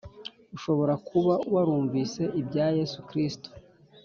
Ushobora kuba warumvise ibya yesu kristo